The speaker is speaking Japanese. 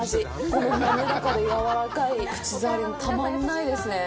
この滑らかで、やわらかい口触りもたまんないですね。